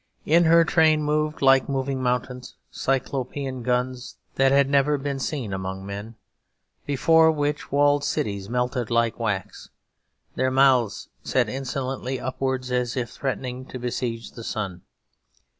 In her train moved, like moving mountains, Cyclopean guns that had never been seen among men, before which walled cities melted like wax, their mouths set insolently upwards as if threatening to besiege the sun.